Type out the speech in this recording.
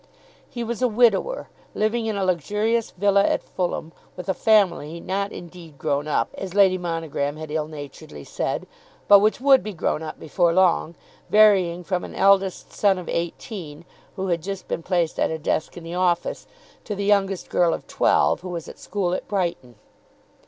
He was a widower, living in a luxurious villa at Fulham with a family, not indeed grown up, as Lady Monogram had ill naturedly said, but which would be grown up before long, varying from an eldest son of eighteen, who had just been placed at a desk in the office, to the youngest girl of twelve, who was at school at Brighton.